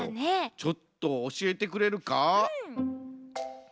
ちょっとおしえてくれるか？